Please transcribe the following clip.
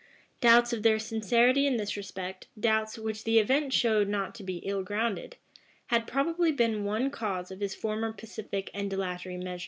[] Doubts of their sincerity in this respect, doubts which the event showed not to be ill grounded, had probably been one cause of his former pacific and dilatory measures.